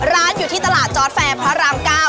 ร้านอยู่ที่ตลาดจอร์ดแฟร์พระราม๙